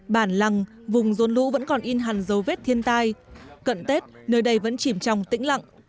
bản lăng vùng rôn lũ vẫn còn in hẳn dấu vết thiên tai cận tết nơi đây vẫn chìm trong tĩnh lặng